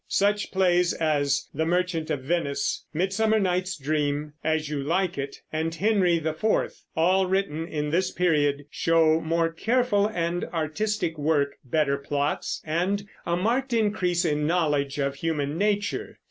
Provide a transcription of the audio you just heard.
Such plays as The Merchant of Venice, Midsummer Night's Dream, As You Like It, and Henry IV, all written in this period, show more careful and artistic work, better plots, and a marked increase in knowledge of human nature.